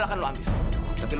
maafin om satria ya